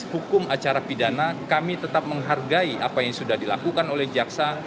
hukum acara pidana kami tetap menghargai apa yang sudah dilakukan oleh jaksa